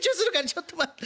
ちょっと待って」。